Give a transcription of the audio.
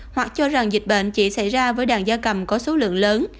hoặc cho rằng dịch bệnh chỉ xảy ra với đàn da cầm có số lượng lớn